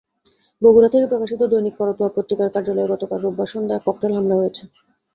বগুড়া থেকে প্রকাশিত দৈনিক করতোয়া পত্রিকার কার্যালয়ে গতকাল রোববার সন্ধ্যায় ককটেল হামলা হয়েছে।